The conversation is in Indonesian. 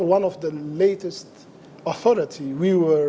contohnya salah satu otoritas terbaru